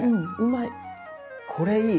これいい！